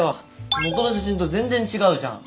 元の写真と全然違うじゃん。